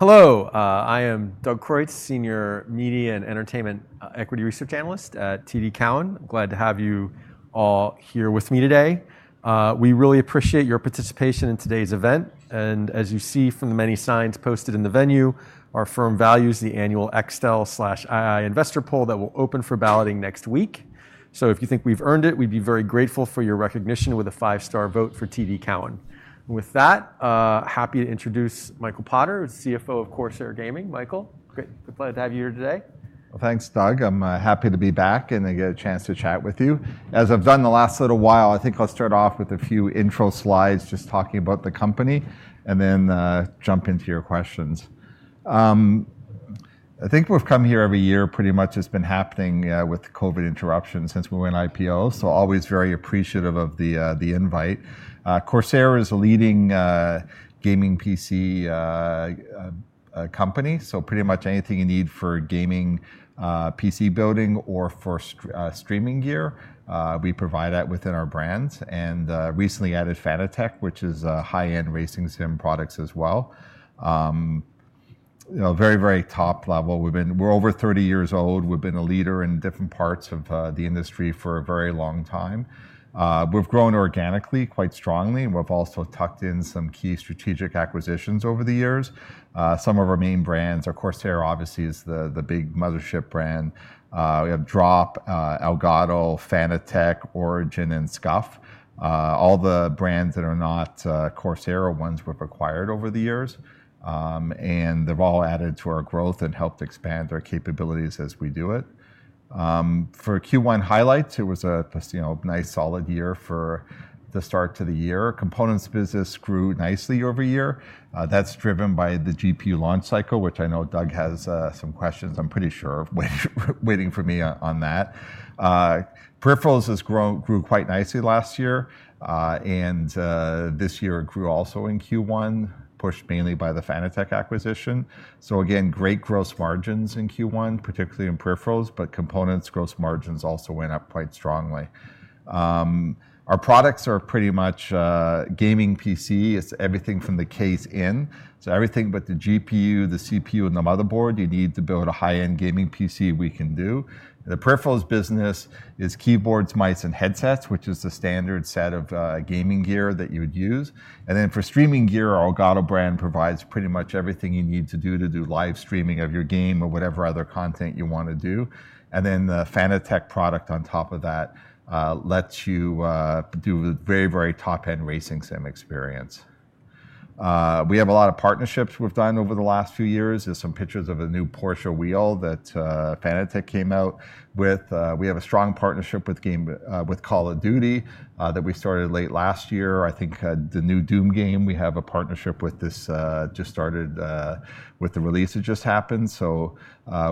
Hello. I am Doug Croits, Senior Media and Entertainment Equity Research Analyst at TD Cowen. Glad to have you all here with me today. We really appreciate your participation in today's event. As you see from the many signs posted in the venue, our firm values the annual XTEL/III Investor Poll that will open for balloting next week. If you think we've earned it, we'd be very grateful for your recognition with a five-star vote for TD Cowen. With that, happy to introduce Michael Potter, CFO of Corsair Gaming. Michael, great to have you here today. Thanks, Doug. I'm happy to be back and get a chance to chat with you. As I've done the last little while, I think I'll start off with a few intro slides, just talking about the company, and then jump into your questions. I think we've come here every year. Pretty much it's been happening with COVID interruptions since we went IPO, so always very appreciative of the invite. Corsair is a leading gaming PC company, so pretty much anything you need for gaming PC building or for streaming gear, we provide that within our brands. Recently added Fanatec, which is high-end racing sim products as well. Very, very top level. We're over 30 years old. We've been a leader in different parts of the industry for a very long time. We've grown organically quite strongly. We've also tucked in some key strategic acquisitions over the years. Some of our main brands, of course, they're obviously the big mothership brand. We have Drop, Elgato, Fanatec, Origin, and SCUF. All the brands that are not Corsair are ones we've acquired over the years, and they've all added to our growth and helped expand our capabilities as we do it. For Q1 highlights, it was a nice solid year for the start to the year. Components business grew nicely over the year. That's driven by the GPU launch cycle, which I know Doug has some questions. I'm pretty sure waiting for me on that. Peripherals grew quite nicely last year, and this year it grew also in Q1, pushed mainly by the Fanatec acquisition. Again, great gross margins in Q1, particularly in peripherals, but components gross margins also went up quite strongly. Our products are pretty much gaming PC. It's everything from the case in. Everything but the GPU, the CPU, and the motherboard you need to build a high-end gaming PC, we can do. The peripherals business is keyboards, mice, and headsets, which is the standard set of gaming gear that you would use. For streaming gear, our Elgato brand provides pretty much everything you need to do live streaming of your game or whatever other content you want to do. The Fanatec product on top of that lets you do a very, very top-end racing sim experience. We have a lot of partnerships we have done over the last few years. There are some pictures of a new Porsche wheel that Fanatec came out with. We have a strong partnership with Call of Duty that we started late last year. I think the new Doom game, we have a partnership with this just started with the release that just happened.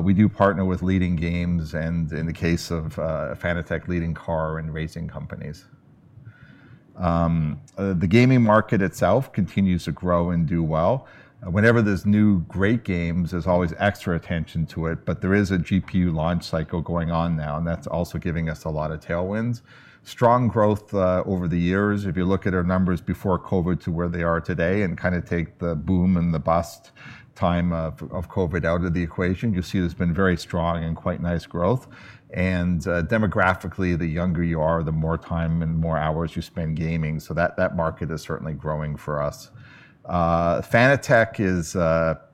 We do partner with leading games and in the case of Fanatec, leading car and racing companies. The gaming market itself continues to grow and do well. Whenever there are new great games, there is always extra attention to it. There is a GPU launch cycle going on now, and that is also giving us a lot of tailwinds. Strong growth over the years. If you look at our numbers before COVID to where they are today and kind of take the boom and the bust time of COVID out of the equation, you will see there has been very strong and quite nice growth. Demographically, the younger you are, the more time and more hours you spend gaming. That market is certainly growing for us. Fanatec is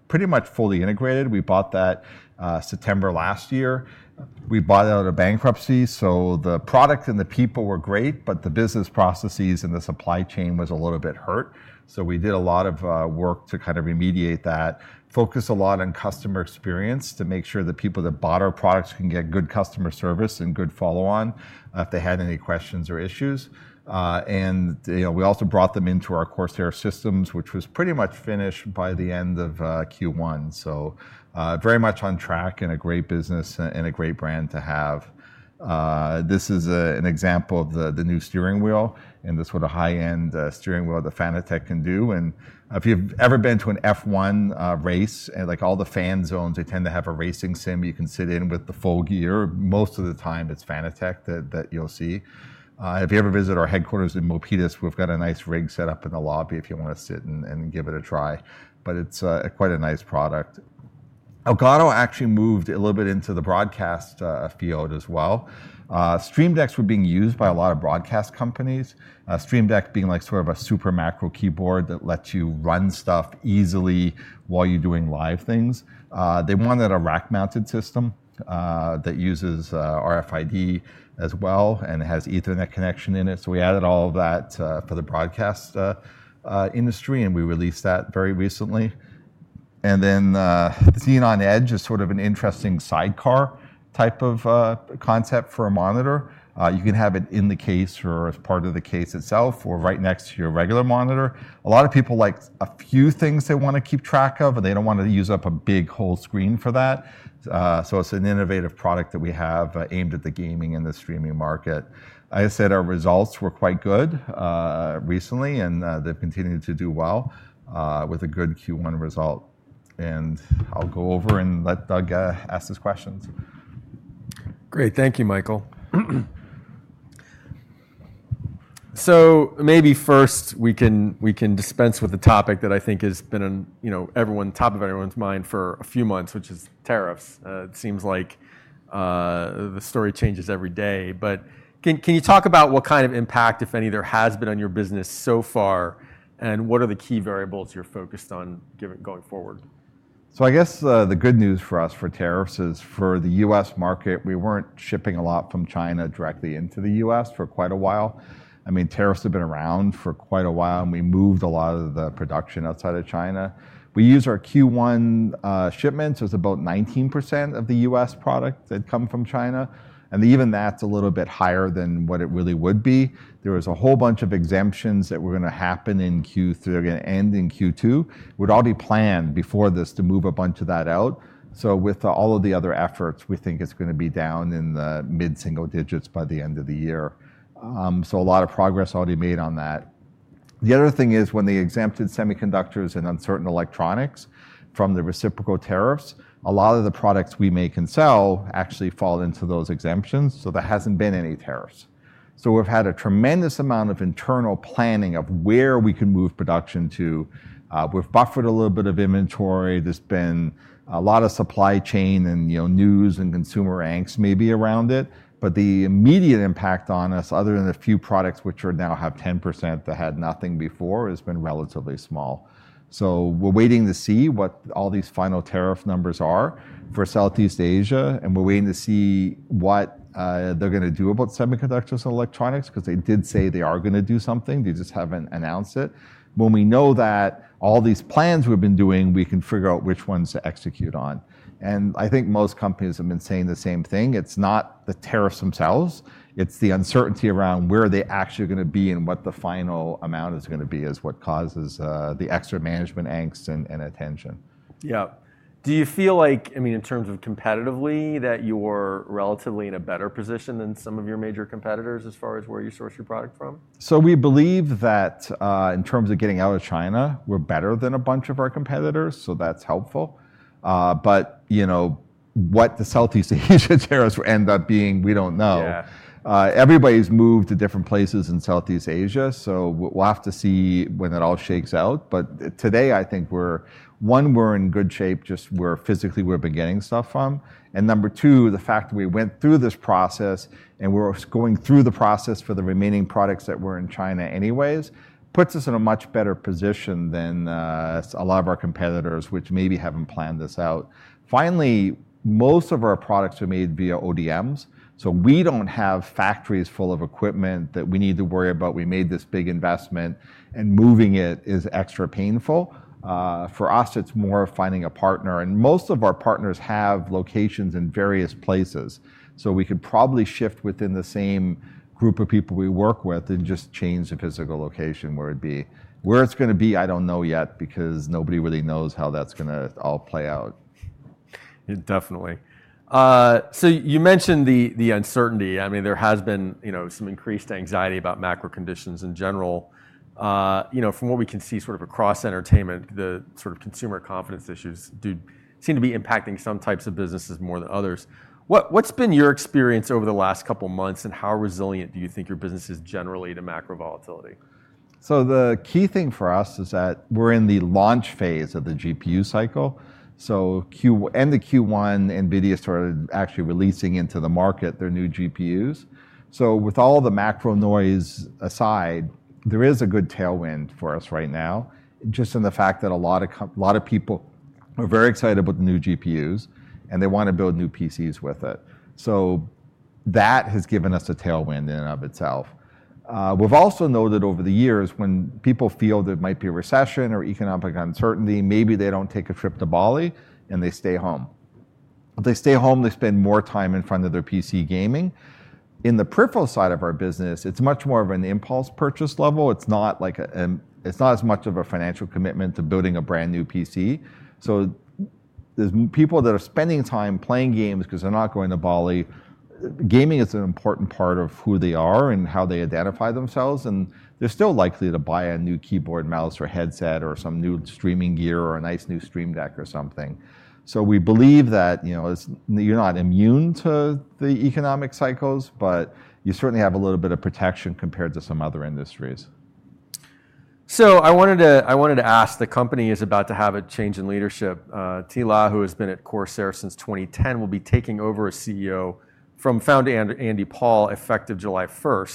pretty much fully integrated. We bought that September last year. We bought out of bankruptcy. The product and the people were great, but the business processes and the supply chain was a little bit hurt. We did a lot of work to kind of remediate that, focus a lot on customer experience to make sure the people that bought our products can get good customer service and good follow-on if they had any questions or issues. We also brought them into our Corsair systems, which was pretty much finished by the end of Q1. Very much on track and a great business and a great brand to have. This is an example of the new steering wheel and this sort of high-end steering wheel that Fanatec can do. If you've ever been to an F1 race, like all the fan zones, they tend to have a racing sim you can sit in with the full gear. Most of the time it's Fanatec that you'll see. If you ever visit our headquarters in Milpitas, we've got a nice rig set up in the lobby if you want to sit and give it a try. It is quite a nice product. Elgato actually moved a little bit into the broadcast field as well. Stream Deck were being used by a lot of broadcast companies, Stream Deck being like sort of a super macro keyboard that lets you run stuff easily while you're doing live things. They wanted a rack-mounted system that uses RFID as well and has Ethernet connection in it. We added all of that for the broadcast industry, and we released that very recently. Xeon Edge is sort of an interesting sidecar type of concept for a monitor. You can have it in the case or as part of the case itself or right next to your regular monitor. A lot of people like a few things they want to keep track of, and they do not want to use up a big whole screen for that. It is an innovative product that we have aimed at the gaming and the streaming market. I said our results were quite good recently, and they have continued to do well with a good Q1 result. I will go over and let Doug ask his questions. Great. Thank you, Michael. Maybe first we can dispense with the topic that I think has been top of everyone's mind for a few months, which is tariffs. It seems like the story changes every day. Can you talk about what kind of impact, if any, there has been on your business so far, and what are the key variables you're focused on going forward? I guess the good news for us for tariffs is for the U.S. market, we weren't shipping a lot from China directly into the U.S. for quite a while. I mean, tariffs have been around for quite a while, and we moved a lot of the production outside of China. We use our Q1 shipments, it was about 19% of the U.S. product that had come from China. Even that's a little bit higher than what it really would be. There was a whole bunch of exemptions that were going to happen in Q3, they're going to end in Q2. It would all be planned before this to move a bunch of that out. With all of the other efforts, we think it's going to be down in the mid-single digits by the end of the year. A lot of progress already made on that. The other thing is when they exempted semiconductors and certain electronics from the reciprocal tariffs, a lot of the products we make and sell actually fall into those exemptions. There has not been any tariffs. We have had a tremendous amount of internal planning of where we can move production to. We have buffered a little bit of inventory. There has been a lot of supply chain news and consumer angst maybe around it. The immediate impact on us, other than a few products which now have 10% that had nothing before, has been relatively small. We are waiting to see what all these final tariff numbers are for Southeast Asia, and we are waiting to see what they are going to do about semiconductors and electronics because they did say they are going to do something. They just have not announced it. When we know that all these plans we've been doing, we can figure out which ones to execute on. I think most companies have been saying the same thing. It's not the tariffs themselves. It's the uncertainty around where they actually are going to be and what the final amount is going to be is what causes the extra management angst and attention. Yeah. Do you feel like, I mean, in terms of competitively, that you're relatively in a better position than some of your major competitors as far as where you source your product from? We believe that in terms of getting out of China, we're better than a bunch of our competitors. That is helpful. What the Southeast Asia tariffs end up being, we do not know. Everybody has moved to different places in Southeast Asia. We will have to see when it all shakes out. Today, I think, one, we are in good shape, just where physically we are beginning stuff from. Number two, the fact that we went through this process and we are going through the process for the remaining products that were in China anyways puts us in a much better position than a lot of our competitors, which maybe have not planned this out. Finally, most of our products are made via ODMs. We do not have factories full of equipment that we need to worry about. We made this big investment, and moving it is extra painful. For us, it's more of finding a partner. Most of our partners have locations in various places. We could probably shift within the same group of people we work with and just change the physical location where it'd be. Where it's going to be, I don't know yet because nobody really knows how that's going to all play out. Definitely. You mentioned the uncertainty. I mean, there has been some increased anxiety about macro conditions in general. From what we can see sort of across entertainment, the sort of consumer confidence issues seem to be impacting some types of businesses more than others. What's been your experience over the last couple of months, and how resilient do you think your business is generally to macro volatility? The key thing for us is that we're in the launch phase of the GPU cycle. In Q1, NVIDIA started actually releasing into the market their new GPUs. With all the macro noise aside, there is a good tailwind for us right now, just in the fact that a lot of people are very excited about the new GPUs, and they want to build new PCs with it. That has given us a tailwind in and of itself. We've also noted over the years, when people feel there might be a recession or economic uncertainty, maybe they don't take a trip to Bali and they stay home. If they stay home, they spend more time in front of their PC gaming. In the peripheral side of our business, it's much more of an impulse purchase level. It's not like it's not as much of a financial commitment to building a brand new PC. There are people that are spending time playing games because they're not going to Bali. Gaming is an important part of who they are and how they identify themselves. They're still likely to buy a new keyboard, mouse, or headset, or some new streaming gear, or a nice new Stream Deck or something. We believe that you're not immune to the economic cycles, but you certainly have a little bit of protection compared to some other industries. I wanted to ask, the company is about to have a change in leadership. Thi La, who has been at Corsair since 2010, will be taking over as CEO from founder Andy Paul, effective July 1.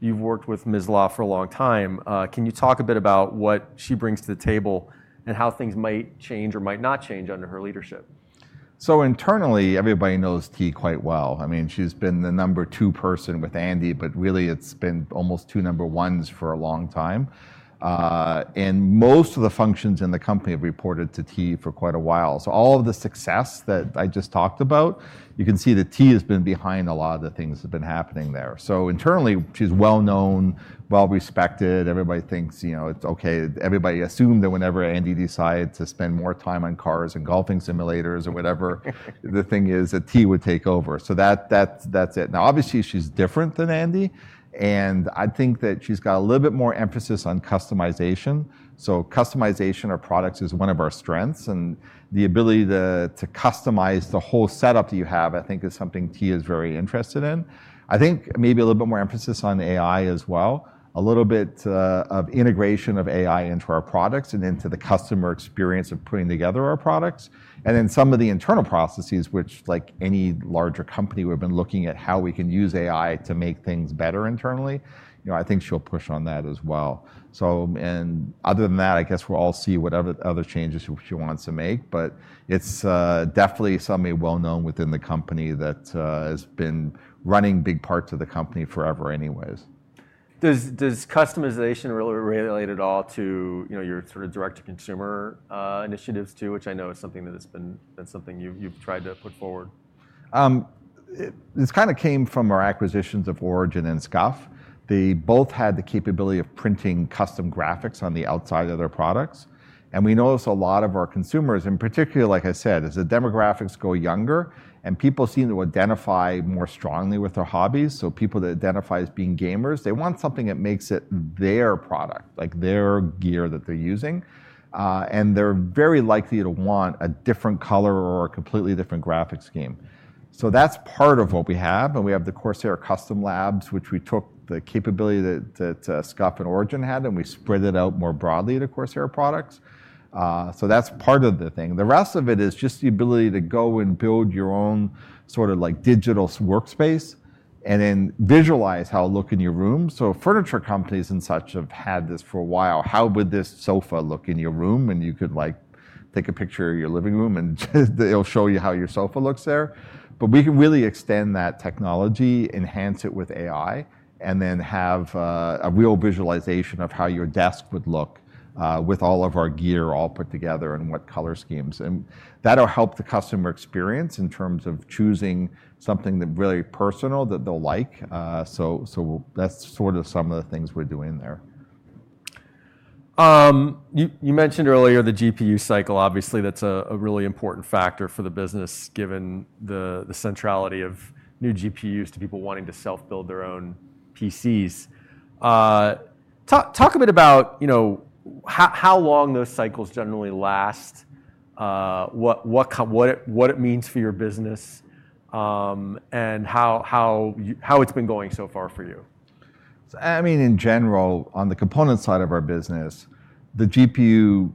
You've worked with Ms. La for a long time. Can you talk a bit about what she brings to the table and how things might change or might not change under her leadership? Internally, everybody knows T. quite well. I mean, she's been the number two person with Andy, but really it's been almost two number ones for a long time. Most of the functions in the company have reported to T. for quite a while. All of the success that I just talked about, you can see that T. has been behind a lot of the things that have been happening there. Internally, she's well known, well respected. Everybody thinks it's OK. Everybody assumed that whenever Andy decides to spend more time on cars and golfing simulators or whatever, the thing is that T. would take over. That's it. Obviously, she's different than Andy. I think that she's got a little bit more emphasis on customization. Customization of products is one of our strengths. The ability to customize the whole setup that you have, I think, is something T. is very interested in. I think maybe a little bit more emphasis on AI as well, a little bit of integration of AI into our products and into the customer experience of putting together our products. Some of the internal processes, which like any larger company, we've been looking at how we can use AI to make things better internally. I think she'll push on that as well. Other than that, I guess we'll all see whatever other changes she wants to make. It is definitely something well known within the company that has been running big parts of the company forever anyways. Does customization really relate at all to your sort of direct-to-consumer initiatives too, which I know is something that has been something you've tried to put forward? This kind of came from our acquisitions of Origin and SCUF. They both had the capability of printing custom graphics on the outside of their products. We noticed a lot of our consumers, and particularly, like I said, as the demographics go younger and people seem to identify more strongly with their hobbies, people that identify as being gamers, they want something that makes it their product, like their gear that they're using. They're very likely to want a different color or a completely different graphic scheme. That is part of what we have. We have the Corsair Custom Labs, which we took the capability that SCUF and Origin had, and we spread it out more broadly to Corsair products. That is part of the thing. The rest of it is just the ability to go and build your own sort of like digital workspace and then visualize how it looks in your room. Furniture companies and such have had this for a while. How would this sofa look in your room? You could take a picture of your living room, and it will show you how your sofa looks there. We can really extend that technology, enhance it with AI, and then have a real visualization of how your desk would look with all of our gear all put together and what color schemes. That will help the customer experience in terms of choosing something that is really personal that they will like. That is sort of some of the things we are doing there. You mentioned earlier the GPU cycle. Obviously, that's a really important factor for the business, given the centrality of new GPUs to people wanting to self-build their own PCs. Talk a bit about how long those cycles generally last, what it means for your business, and how it's been going so far for you. I mean, in general, on the component side of our business, the GPU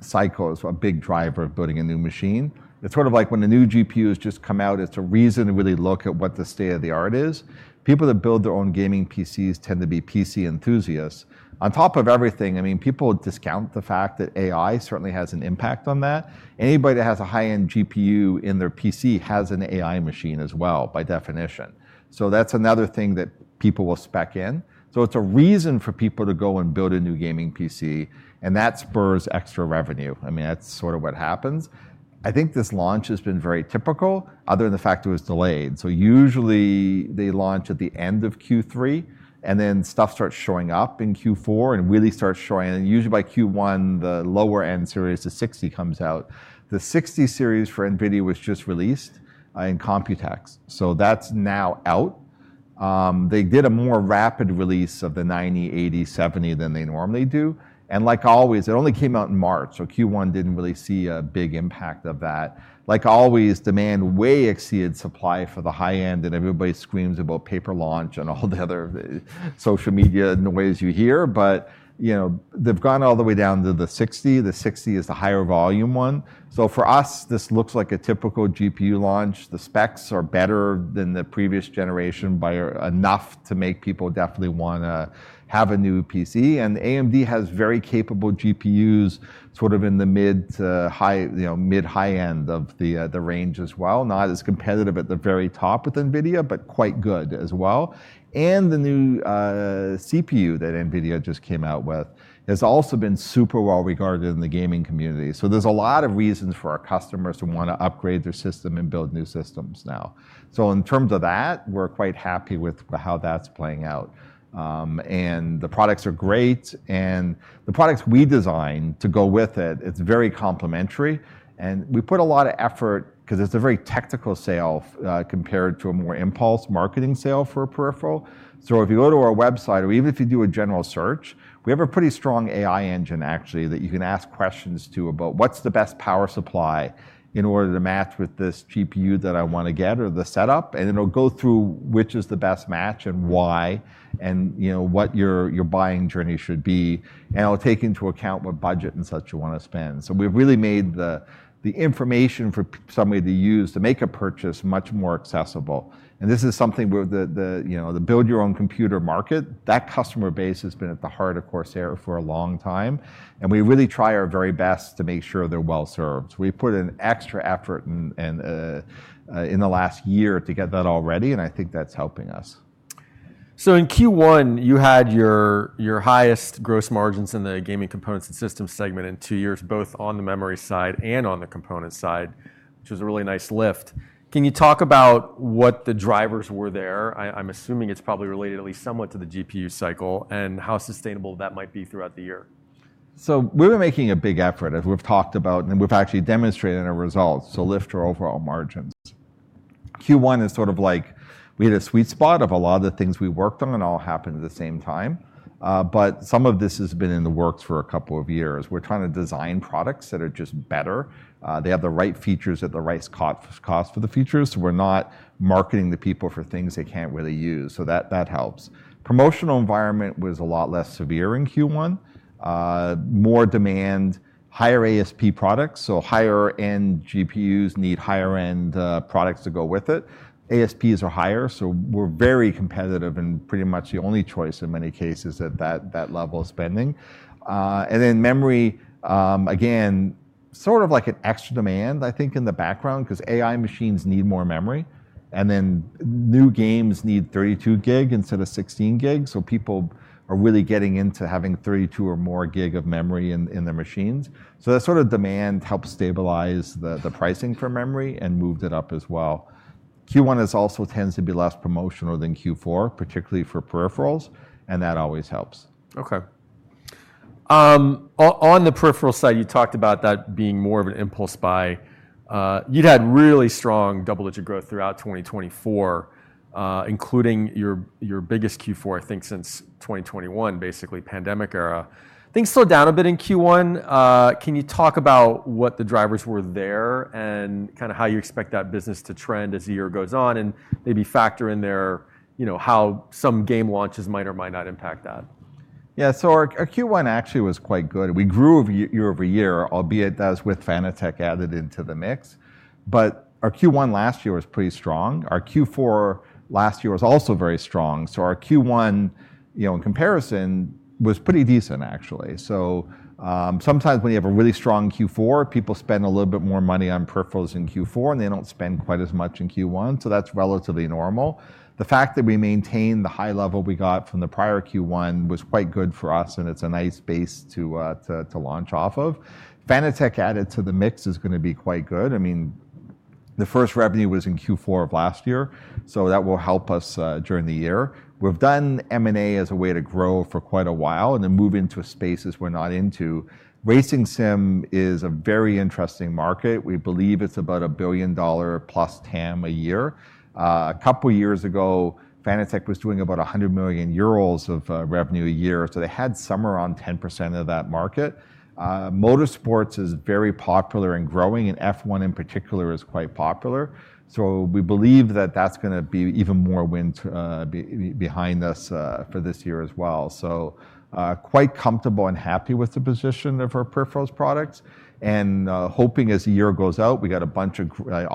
cycle is a big driver of building a new machine. It's sort of like when a new GPU has just come out, it's a reason to really look at what the state of the art is. People that build their own gaming PCs tend to be PC enthusiasts. On top of everything, I mean, people discount the fact that AI certainly has an impact on that. Anybody that has a high-end GPU in their PC has an AI machine as well, by definition. So that's another thing that people will spec in. It's a reason for people to go and build a new gaming PC, and that spurs extra revenue. I mean, that's sort of what happens. I think this launch has been very typical, other than the fact it was delayed. Usually, they launch at the end of Q3, and then stuff starts showing up in Q4 and really starts showing. Usually, by Q1, the lower-end series, the 60, comes out. The 60 series for NVIDIA was just released in Computex. That is now out. They did a more rapid release of the 90, 80, 70 than they normally do. Like always, it only came out in March. Q1 did not really see a big impact of that. Like always, demand way exceeded supply for the high-end, and everybody screams about paper launch and all the other social media noise you hear. They have gone all the way down to the 60. The 60 is the higher volume one. For us, this looks like a typical GPU launch. The specs are better than the previous generation by enough to make people definitely want to have a new PC. AMD has very capable GPUs sort of in the mid to high-end of the range as well, not as competitive at the very top with NVIDIA, but quite good as well. The new CPU that NVIDIA just came out with has also been super well regarded in the gaming community. There are a lot of reasons for our customers to want to upgrade their system and build new systems now. In terms of that, we're quite happy with how that's playing out. The products are great. The products we designed to go with it, it's very complementary. We put a lot of effort because it's a very technical sale compared to a more impulse marketing sale for a peripheral. If you go to our website, or even if you do a general search, we have a pretty strong AI engine, actually, that you can ask questions to about what's the best power supply in order to match with this GPU that I want to get or the setup. It'll go through which is the best match and why and what your buying journey should be. It'll take into account what budget and such you want to spend. We've really made the information for somebody to use to make a purchase much more accessible. This is something where the build-your-own-computer market, that customer base has been at the heart of Corsair for a long time. We really try our very best to make sure they're well served. We put in extra effort in the last year to get that all ready. I think that's helping us. In Q1, you had your highest gross margins in the gaming components and systems segment in two years, both on the memory side and on the component side, which was a really nice lift. Can you talk about what the drivers were there? I'm assuming it's probably related at least somewhat to the GPU cycle and how sustainable that might be throughout the year. We were making a big effort. As we've talked about, and we've actually demonstrated our results. To lift our overall margins. Q1 is sort of like we had a sweet spot of a lot of the things we worked on, and all happened at the same time. Some of this has been in the works for a couple of years. We're trying to design products that are just better. They have the right features at the right cost for the features. We're not marketing to people for things they can't really use. That helps. Promotional environment was a lot less severe in Q1. More demand, higher ASP products. Higher-end GPUs need higher-end products to go with it. ASPs are higher. We're very competitive and pretty much the only choice in many cases at that level of spending. Memory, again, sort of like an extra demand, I think, in the background, because AI machines need more memory. New games need 32 gig instead of 16 gig. People are really getting into having 32 or more gig of memory in their machines. That sort of demand helped stabilize the pricing for memory and moved it up as well. Q1 has also tended to be less promotional than Q4, particularly for peripherals. That always helps. OK. On the peripheral side, you talked about that being more of an impulse buy. You'd had really strong double-digit growth throughout 2024, including your biggest Q4, I think, since 2021, basically pandemic era. Things slowed down a bit in Q1. Can you talk about what the drivers were there and kind of how you expect that business to trend as the year goes on and maybe factor in there how some game launches might or might not impact that? Yeah. Our Q1 actually was quite good. We grew year-over-year, albeit that was with Fanatec added into the mix. Our Q1 last year was pretty strong. Our Q4 last year was also very strong. Our Q1, in comparison, was pretty decent, actually. Sometimes when you have a really strong Q4, people spend a little bit more money on peripherals in Q4, and they do not spend quite as much in Q1. That is relatively normal. The fact that we maintained the high level we got from the prior Q1 was quite good for us. It is a nice base to launch off of. Fanatec added to the mix is going to be quite good. I mean, the first revenue was in Q4 of last year. That will help us during the year. We've done M&A as a way to grow for quite a while and then move into spaces we're not into. Racing sim is a very interesting market. We believe it's about a $1 billion-plus TAM a year. A couple of years ago, Fanatec was doing about 100 million euros of revenue a year. So they had somewhere around 10% of that market. Motorsports is very popular and growing. F1, in particular, is quite popular. We believe that that's going to be even more wind behind us for this year as well. Quite comfortable and happy with the position of our peripherals products. Hoping as the year goes out, we got a bunch of, as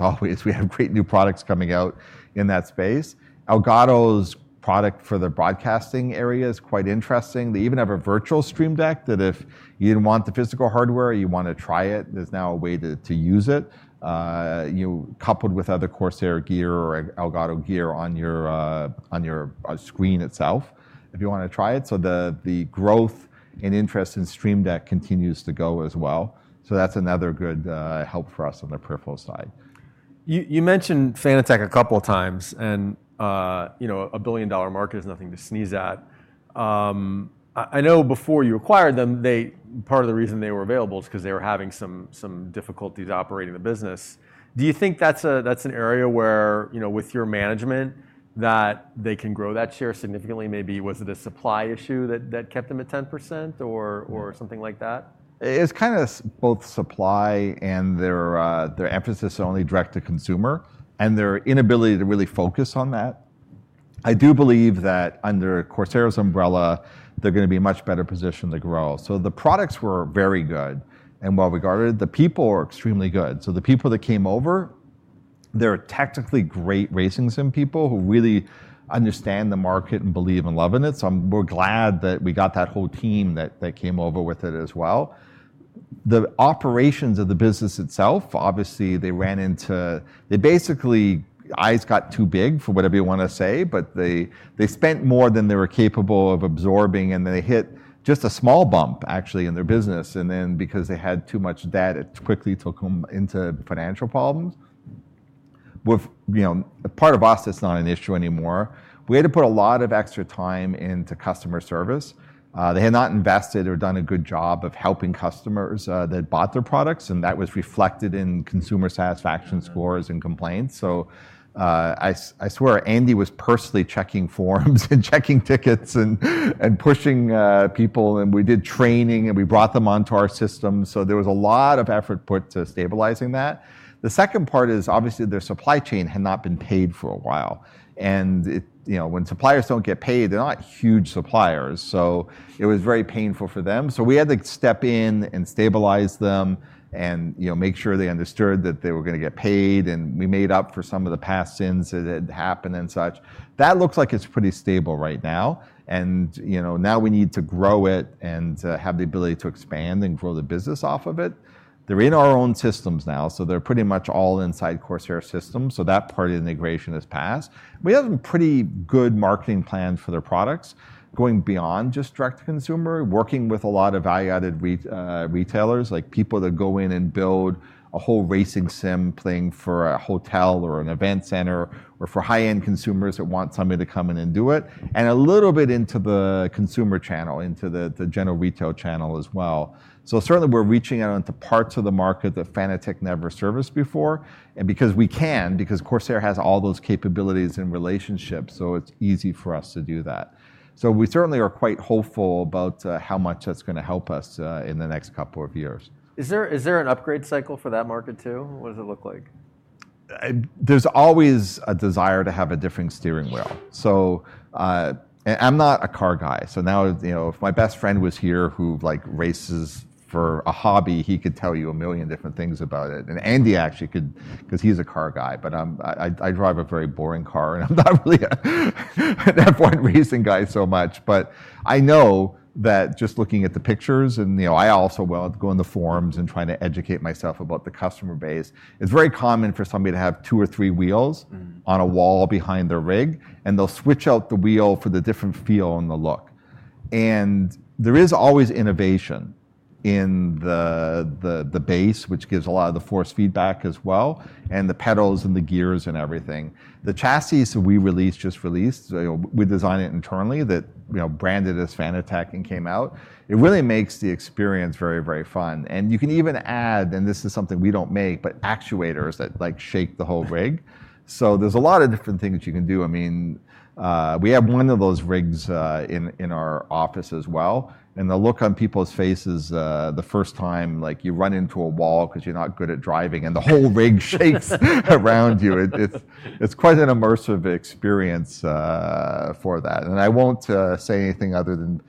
always, we have great new products coming out in that space. Elgato's product for the broadcasting area is quite interesting. They even have a virtual Stream Deck that if you didn't want the physical hardware, you want to try it, there's now a way to use it, coupled with other Corsair gear or Elgato gear on your screen itself if you want to try it. The growth and interest in Stream Deck continues to go as well. That's another good help for us on the peripheral side. You mentioned Fanatec a couple of times. A billion dollar market is nothing to sneeze at. I know before you acquired them, part of the reason they were available is because they were having some difficulties operating the business. Do you think that's an area where, with your management, they can grow that share significantly? Maybe was it a supply issue that kept them at 10% or something like that? It's kind of both supply and their emphasis on only direct-to-consumer and their inability to really focus on that. I do believe that under Corsair's umbrella, they're going to be in a much better position to grow. So the products were very good and well regarded. The people are extremely good. So the people that came over, they're technically great racing sim people who really understand the market and believe and love in it. We're glad that we got that whole team that came over with it as well. The operations of the business itself, obviously, they ran into basically, eyes got too big for whatever you want to say. They spent more than they were capable of absorbing. They hit just a small bump, actually, in their business. Because they had too much debt, it quickly took them into financial problems. Part of us, it's not an issue anymore. We had to put a lot of extra time into customer service. They had not invested or done a good job of helping customers that bought their products. That was reflected in consumer satisfaction scores and complaints. I swear Andy was personally checking forms and checking tickets and pushing people. We did training. We brought them onto our system. There was a lot of effort put to stabilizing that. The second part is, obviously, their supply chain had not been paid for a while. When suppliers do not get paid, they are not huge suppliers. It was very painful for them. We had to step in and stabilize them and make sure they understood that they were going to get paid. We made up for some of the past sins that had happened and such. That looks like it's pretty stable right now. Now we need to grow it and have the ability to expand and grow the business off of it. They're in our own systems now. They're pretty much all inside Corsair's system. That part of the integration has passed. We have a pretty good marketing plan for their products going beyond just direct-to-consumer, working with a lot of value-added retailers, like people that go in and build a whole racing sim rig for a hotel or an event center or for high-end consumers that want somebody to come in and do it, and a little bit into the consumer channel, into the general retail channel as well. Certainly, we're reaching out into parts of the market that Fanatec never serviced before. Because we can, because Corsair has all those capabilities and relationships, it is easy for us to do that. We certainly are quite hopeful about how much that is going to help us in the next couple of years. Is there an upgrade cycle for that market, too? What does it look like? There's always a desire to have a different steering wheel. I'm not a car guy. Now, if my best friend was here who races for a hobby, he could tell you a million different things about it. Andy actually could, because he's a car guy. I drive a very boring car. I'm not really an F1 racing guy so much. I know that just looking at the pictures, and I also go on the forums and try to educate myself about the customer base, it's very common for somebody to have two or three wheels on a wall behind their rig. They'll switch out the wheel for the different feel and the look. There is always innovation in the base, which gives a lot of the force feedback as well, and the pedals and the gears and everything. The chassis that we released just released, we designed it internally, branded as Fanatec, and came out. It really makes the experience very, very fun. You can even add, and this is something we do not make, but actuators that shake the whole rig. There are a lot of different things you can do. I mean, we have one of those rigs in our office as well. The look on people's faces the first time you run into a wall because you are not good at driving, and the whole rig shakes around you, it is quite an immersive experience for that. I will not say anything other than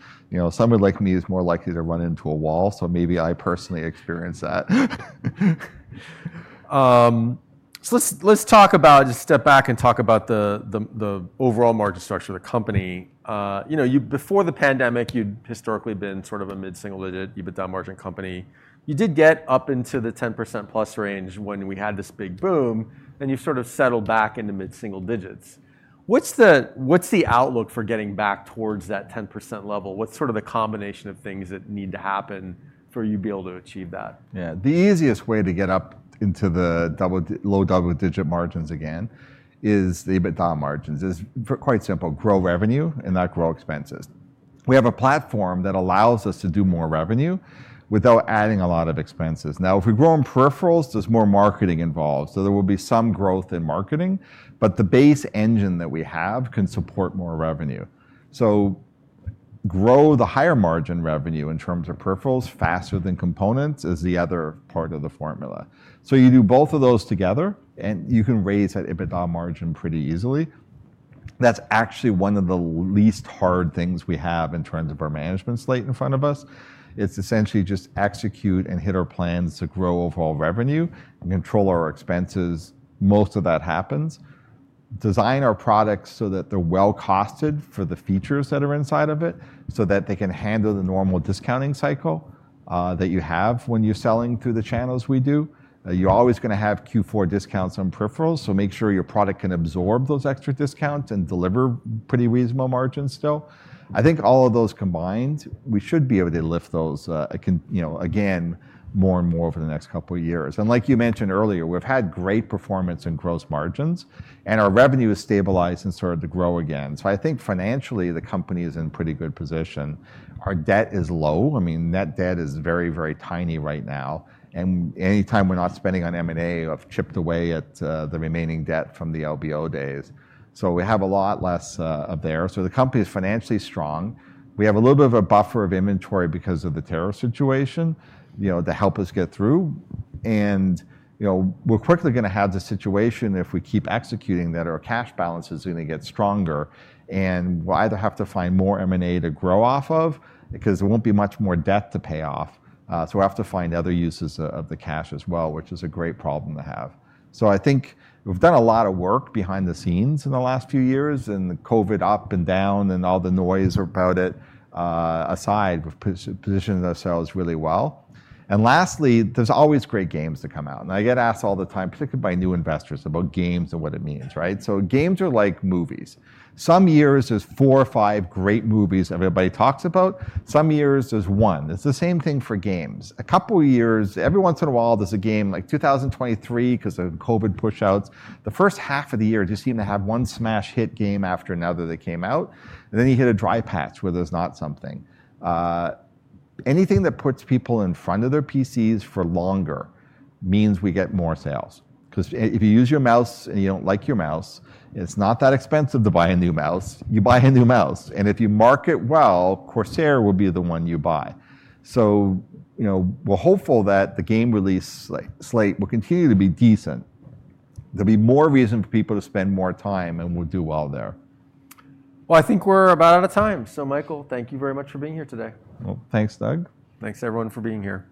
someone like me is more likely to run into a wall. Maybe I personally experienced that. Let's step back and talk about the overall market structure of the company. Before the pandemic, you'd historically been sort of a mid-single digit. You've been a down-margin company. You did get up into the 10% plus range when we had this big boom. You've sort of settled back into mid-single digits. What's the outlook for getting back towards that 10% level? What's sort of the combination of things that need to happen for you to be able to achieve that? Yeah. The easiest way to get up into the low double-digit margins again is the EBITDA margins. It's quite simple. Grow revenue and not grow expenses. We have a platform that allows us to do more revenue without adding a lot of expenses. Now, if we grow in peripherals, there's more marketing involved. There will be some growth in marketing. The base engine that we have can support more revenue. Grow the higher margin revenue in terms of peripherals faster than components is the other part of the formula. You do both of those together. You can raise that EBITDA margin pretty easily. That's actually one of the least hard things we have in terms of our management slate in front of us. It's essentially just execute and hit our plans to grow overall revenue and control our expenses. Most of that happens. Design our products so that they're well costed for the features that are inside of it so that they can handle the normal discounting cycle that you have when you're selling through the channels we do. You're always going to have Q4 discounts on peripherals. Make sure your product can absorb those extra discounts and deliver pretty reasonable margins still. I think all of those combined, we should be able to lift those, again, more and more over the next couple of years. Like you mentioned earlier, we've had great performance and gross margins. Our revenue has stabilized and started to grow again. I think financially, the company is in pretty good position. Our debt is low. I mean, net debt is very, very tiny right now. Any time we're not spending on M&A, I've chipped away at the remaining debt from the LBO days. We have a lot less of there. The company is financially strong. We have a little bit of a buffer of inventory because of the tariff situation to help us get through. We're quickly going to have the situation if we keep executing that our cash balance is going to get stronger. We'll either have to find more M&A to grow off of because there will not be much more debt to pay off. We'll have to find other uses of the cash as well, which is a great problem to have. I think we've done a lot of work behind the scenes in the last few years. COVID up and down and all the noise about it aside, we've positioned ourselves really well. Lastly, there are always great games to come out. I get asked all the time, particularly by new investors, about games and what it means. Games are like movies. Some years, there are four or five great movies everybody talks about. Some years, there is one. It is the same thing for games. A couple of years, every once in a while, there is a game, like 2023, because of COVID push-outs. The first half of the year, it just seemed to have one smash hit game after another that came out. You hit a dry patch where there is not something. Anything that puts people in front of their PCs for longer means we get more sales. If you use your mouse and you do not like your mouse, it is not that expensive to buy a new mouse. You buy a new mouse. If you market well, Corsair will be the one you buy. We're hopeful that the game release slate will continue to be decent. There'll be more reason for people to spend more time. We'll do well there. I think we're about out of time. So, Michael, thank you very much for being here today. Thanks, Doug. Thanks, everyone, for being here.